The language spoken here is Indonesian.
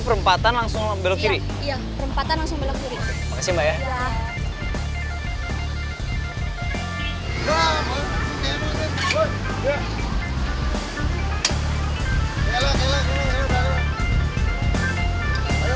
perempatan langsung belok kiri ya perempatan langsung belok kiri